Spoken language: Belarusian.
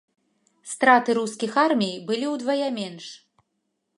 Страты рускіх армій былі ўдвая менш.